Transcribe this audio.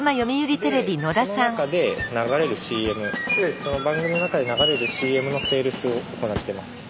でその中で流れるＣＭその番組の中で流れるＣＭのセールスを行ってます。